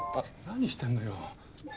何してんのよ。